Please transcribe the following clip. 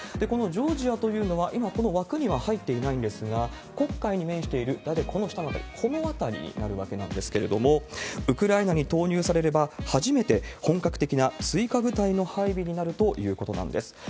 このジョージアというのは、今、この枠には入っていないんですが、黒海に面している、大体この下の辺り、この辺りになるわけなんですけれども、ウクライナに投入されれば、初めて本格的な追加部隊の配備になるということなんです。